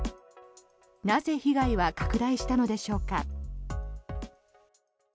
なぜ、被害は拡大したのでしょうか。